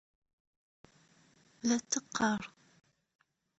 La tt-teqqar.